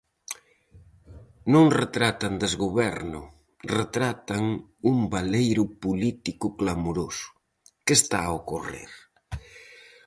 Non retratan desgoberno, retratan un baleiro político clamoroso Que está a ocorrer?